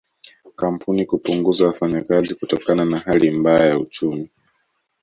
Kampuni kupunguza wafanyakazi kutokana na hali mbaya ya uchumi